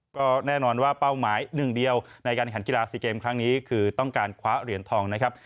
ก็แน่นอนว่าเป้าหมายหนึ่งเดียวในการแข่งกีฬา๔เกมครั้งนี้คือต้องการคว้าเหรียญทองนะครับ